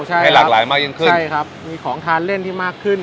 ใช่ให้หลากหลายมากยิ่งขึ้นใช่ครับมีของทานเล่นที่มากขึ้น